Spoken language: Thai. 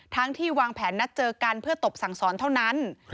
ที่วางแผนนัดเจอกันเพื่อตบสั่งสอนเท่านั้น